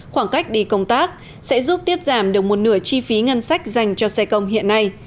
khoảng cách đi công tác sẽ giúp tiết giảm được một nửa chi phí ngân sách dành cho xe công hiện nay